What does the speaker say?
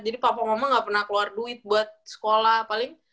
jadi pak ponggoma gak pernah keluar duit buat sekolah